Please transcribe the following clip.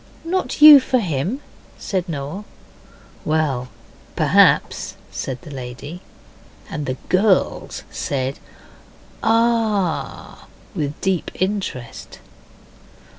'Not you for him?' said Noel. 'Well, perhaps,' said the lady. And the girls said 'Ah!' with deep interest.